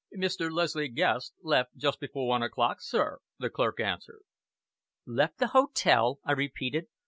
"Mr. Leslie Guest left just before one o'clock, sir," the clerk answered. "Left the hotel!" I repeated.